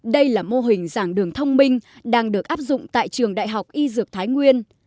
đây là mô hình giảng đường thông minh đang được áp dụng tại trường đại học y dược thái nguyên